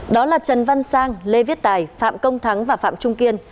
đó là trần văn sang lê viết tài phạm công thắng và phạm trung kiên